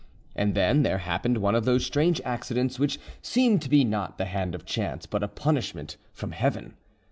And then there happened one of those strange accidents which seem to be not the hand of chance but a punishment from Heaven.